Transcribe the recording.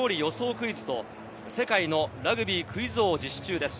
クイズと世界のラグビークイズ王を実施中です。